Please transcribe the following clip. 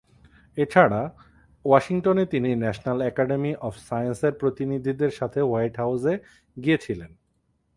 এছাড়া ওয়াশিংটনে তিনি ন্যাশনাল একাডেমি অফ সায়েন্সের প্রতিনিধিদের সাথে হোয়াইট হাউসে গিয়েছিলেন।